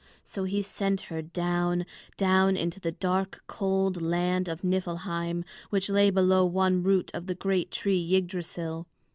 So he sent her down, down into the dark, cold land of Niflheim, which lay below one root of the great tree Yggdrasil.